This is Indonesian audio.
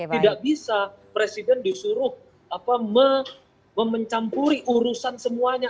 tidak bisa presiden disuruh mencampuri urusan semuanya